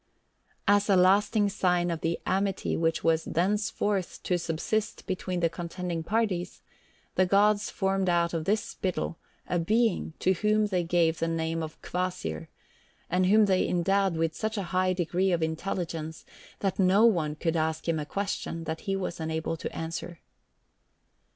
As a lasting sign of the amity which was thenceforward to subsist between the contending parties, the gods formed out of this spittle a being to whom they gave the name of Kvasir, and whom they endowed with such a high degree of intelligence that no one could ask him a question that he was unable to answer.